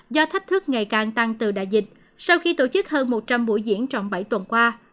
do thách thức ngày càng tăng từ đại dịch sau khi tổ chức hơn một trăm linh buổi diễn trong bảy tuần qua